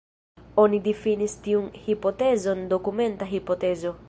Oni difinis tiun hipotezon dokumenta hipotezo.